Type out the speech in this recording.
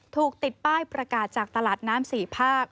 ถูกติดป้ายประกาศจากตลาดน้ำ๔ภาค